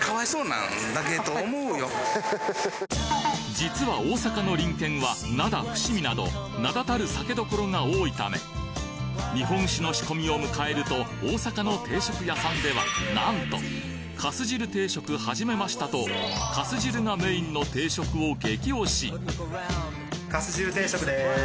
実は大阪の隣県は灘伏見など名立たる酒どころが多いため日本酒の仕込みを迎えると大阪の定食屋さんでは何と「粕汁定食始めました」と粕汁がメインの定食を激推しかす汁定食です。